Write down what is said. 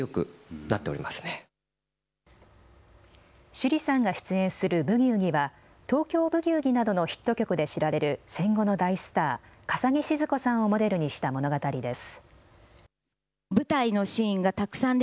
趣里さんが出演するブギウギは東京ブギウギなどのヒット曲で知られる戦後の大スター、笠置シヅ子さんをモデルにした物語です。